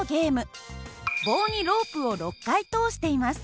棒にロープを６回通しています。